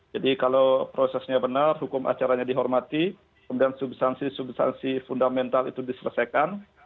jadi kalau prosesnya benar hukum acaranya dihormati kemudian substansi substansi fundamental itu diselesaikan